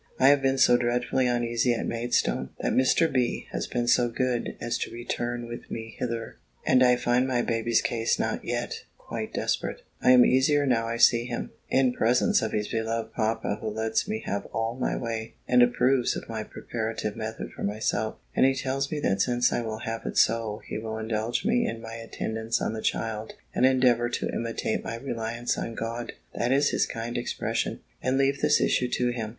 I have been so dreadfully uneasy at Maidstone, that Mr. B. has been so good as to return with me hither; and I find my baby's case not yet quite desperate I am easier now I see him, in presence of his beloved papa who lets me have all my way, and approves of my preparative method for myself; and he tells me that since I will have it so, he will indulge me in my attendance on the child, and endeavour to imitate my reliance on God that is his kind expression and leave the issue to him.